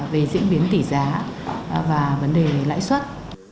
về diễn biến tỷ giá và vấn đề lãi suất